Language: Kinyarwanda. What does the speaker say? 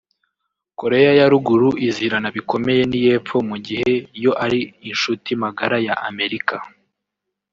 Koreya ya Ruguru izirana bikomeye n’iy’Epfo mu gihe yo ari inshuti magara ya Amerika